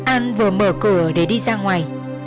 an vừa mở cửa để đi ra ngoài